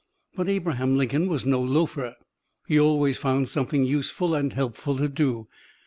But Abraham Lincoln was no loafer. He always found something useful and helpful to do.